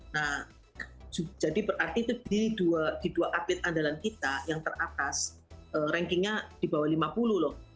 nah jadi berarti itu di dua atlet andalan kita yang teratas rankingnya di bawah lima puluh loh